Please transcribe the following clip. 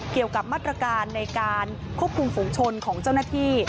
เกี่ยวกับมาตรการในการควบคุมฝุงชนของเจ้าหน้าที่